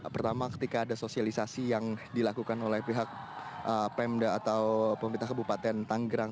pertama ketika ada sosialisasi yang dilakukan oleh pihak pemda atau pemerintah kabupaten tanggerang